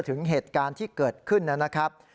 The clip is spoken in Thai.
ถึงเหตุการณ์ที่เกิดขึ้นนะครับ